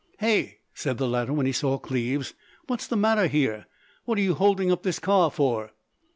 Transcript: "Hey!" said the latter when he saw Cleves,—"what's the matter here? What are you holding up this car for?"